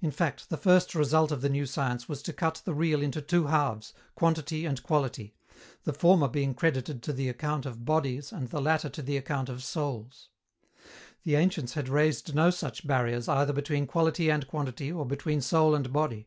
In fact, the first result of the new science was to cut the real into two halves, quantity and quality, the former being credited to the account of bodies and the latter to the account of souls. The ancients had raised no such barriers either between quality and quantity or between soul and body.